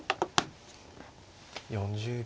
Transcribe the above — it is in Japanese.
４０秒。